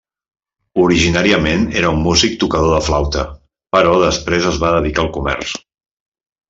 Originàriament era un músic tocador de flauta, però després es va dedicar al comerç.